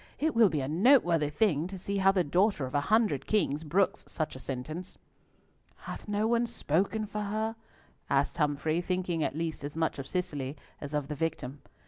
It will be a noteworthy thing to see how the daughter of a hundred kings brooks such a sentence." "Hath no one spoken for her?" asked Humfrey, thinking at least as much of Cicely as of the victim.